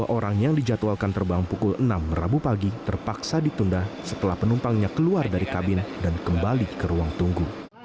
dua orang yang dijadwalkan terbang pukul enam rabu pagi terpaksa ditunda setelah penumpangnya keluar dari kabin dan kembali ke ruang tunggu